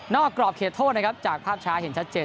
กรอบเขตโทษนะครับจากภาพช้าเห็นชัดเจน